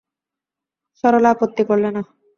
সরলা আপত্তি করলে না।